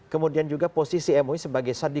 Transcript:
kemudian juga posisi mui sebagai sadis